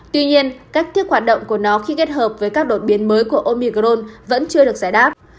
tuy nhiên cách thức hoạt động của nó khi kết hợp với các đột biến mới của omicron vẫn chưa được giải đáp